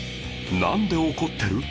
なんで怒ってる？